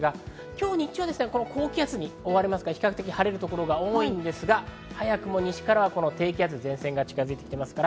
今日、日中は高気圧に覆われますから比較的晴れる所が多いですが早くも西からは低気圧、前線が近づいています。